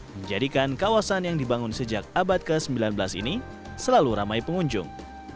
menjadikan kawasan yang dibangun sejak abad ke sembilan belas ini selalu ramai pengunjung